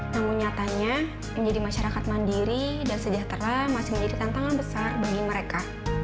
namun nyatanya menjadi masyarakat mandiri dan sejahtera masih menjadi tantangan besar bagi mereka